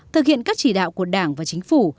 thực hiện các chỉ đạo của đảng và chính phủ